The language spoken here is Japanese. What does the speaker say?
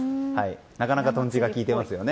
なかなかとんちが利いていますよね。